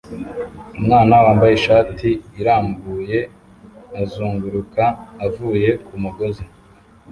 Umwana wambaye ishati irambuye azunguruka avuye kumugozi